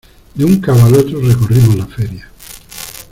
de un cabo al otro recorrimos la feria.